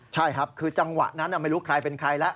ใช่ครับคือจังหวะนั้นไม่รู้ใครเป็นใครแล้ว